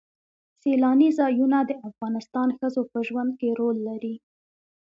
سیلانی ځایونه د افغان ښځو په ژوند کې رول لري.